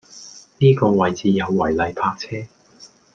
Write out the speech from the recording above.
呢個位置有違例泊車